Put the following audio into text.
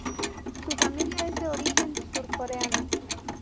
Su familia es de origen surcoreano.